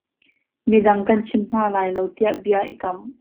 Midang kan chim hna lai lo tiah bia i kam.